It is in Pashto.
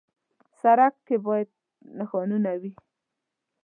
سړک کې باید نښانونه وي.